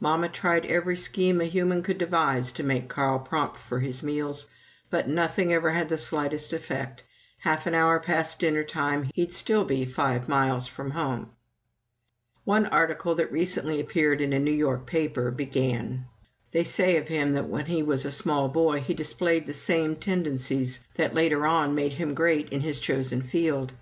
Mamma tried every scheme a human could devise to make Carl prompt for his meals, but nothing ever had the slightest effect. Half an hour past dinner time he'd still be five miles from home.") One article that recently appeared in a New York paper began: "They say of him that when he was a small boy he displayed the same tendencies that later on made him great in his chosen field.